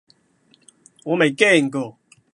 我未驚過!